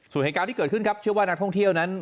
ส่วนเหตุการณ์ที่เกิดขึ้นครับเชื่อว่านักท่องเที่ยวนั้น